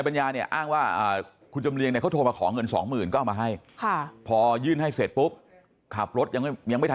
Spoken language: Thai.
มันอาจจะเป็นอย่างนั้นก็ได้ใช่ไหมฮะ